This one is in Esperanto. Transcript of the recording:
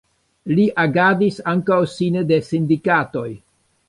Li agadis ankaŭ sine de sindikatoj.